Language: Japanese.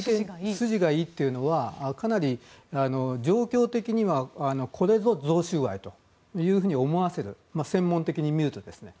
筋がいいというのはかなり状況的にはこれぞ贈収賄というふうに思わせる専門的に見るとですね。